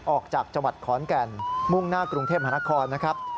ออกจากจังหวัดขอนแก่นมุ่งหน้ากรุงเทพมหานครนะครับ